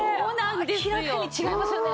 明らかに違いますよね